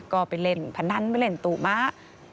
ก็ไปเล่นพนันไปเล่นตู่ม้า